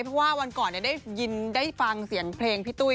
เพราะว่าวันก่อนได้ยินได้ฟังเสียงเพลงพี่ตุ้ย